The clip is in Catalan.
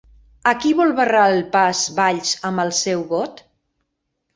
A qui vol barrar el pas Valls amb el seu vot?